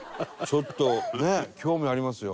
ちょっとねえ興味ありますよはい。